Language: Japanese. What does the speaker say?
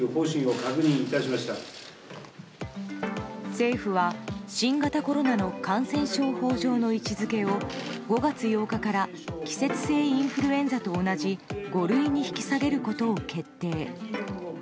政府は新型コロナの感染症法上の位置づけを５月８日から季節性インフルエンザと同じ五類に引き下げることを決定。